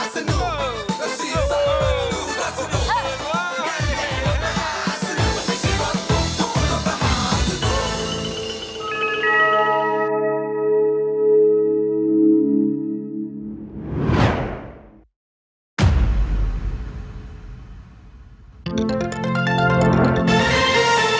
สวัสดีครับ